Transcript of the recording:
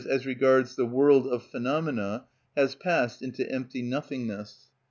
_, as regards the world of phenomena, has passed into empty nothingness.